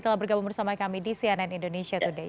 telah bergabung bersama kami di cnn indonesia today